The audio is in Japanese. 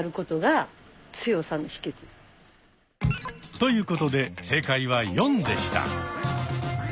ということで正解は「４」でした。